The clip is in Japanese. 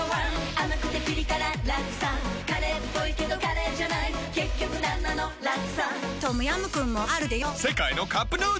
甘くてピリ辛ラクサカレーっぽいけどカレーじゃない結局なんなのラクサトムヤムクンもあるでヨ世界のカップヌードル